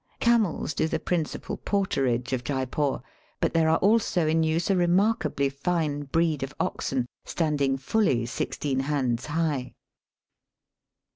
Camels do the principal porterage of Jeypore, but there are also in use a remarkably fine breed of oxen, standing fully sixteen hands high.